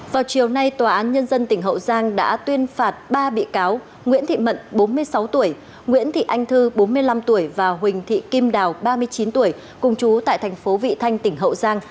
vào chiều nay tòa án nhân dân tỉnh hậu giang đã tuyên phạt ba bị cáo nguyễn thị mận bốn mươi sáu tuổi nguyễn thị anh thư bốn mươi năm tuổi và huỳnh thị kim đào ba mươi chín tuổi cùng chú tại thành phố vị thanh tỉnh hậu giang